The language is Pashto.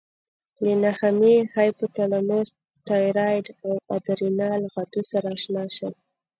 له نخامیې، هایپوتلاموس، تایرایډ او ادرینال غدو سره آشنا شئ.